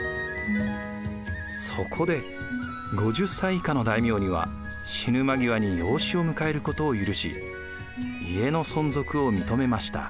そこで５０歳以下の大名には死ぬ間際に養子を迎えることを許し家の存続を認めました。